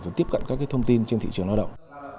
và tiếp cận các thông tin trên thị trường lao động